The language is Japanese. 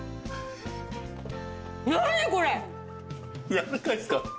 やわらかいですか？